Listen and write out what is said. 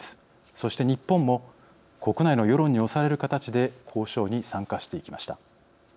そして、日本も国内の世論に押される形で交渉に参加していきました。